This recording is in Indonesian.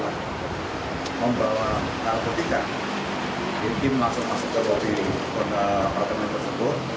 adalah membawa narkotika ini masuk masuk ke tempat teman tersebut